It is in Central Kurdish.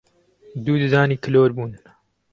دوو ددانی کلۆر بوون